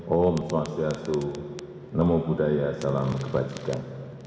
om swastiastu namo buddhaya salam kebajikan